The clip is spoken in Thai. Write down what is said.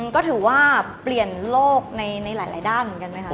ก็ถือว่าเปลี่ยนโลกในหลายด้านเหมือนกันไหมคะ